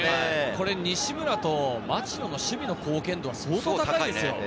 西村と町野の守備の貢献度は相当高いですよ。